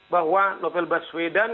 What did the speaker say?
bahwa nobel baswedan